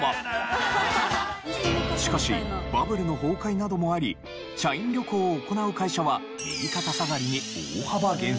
しかしバブルの崩壊などもあり社員旅行を行う会社は右肩下がりに大幅減少。